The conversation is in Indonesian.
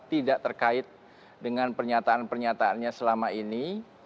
tidak terkait dengan pernyataan pernyataannya selama ini